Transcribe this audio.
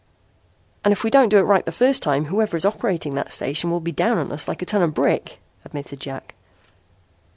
"And if we don't do it right the first time, whoever is operating that station will be down on us like a ton of brick," admitted Jack.